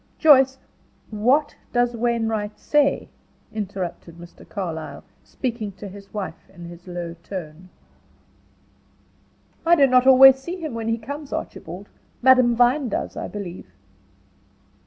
Joyce " "What does Wainwright say?" interrupted Mr. Carlyle, speaking to his wife, in his low tone. "I do not always see him when he comes, Archibald. Madame Vine does, I believe."